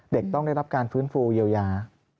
ต้องได้รับการฟื้นฟูเยียวยา